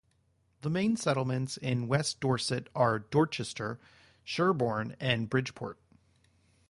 The main settlements in West Dorset are Dorchester, Sherborne and Bridport.